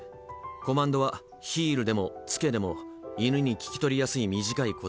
コマンドは「ヒール」でも「つけ」でも犬に聞き取りやすい短い言葉で。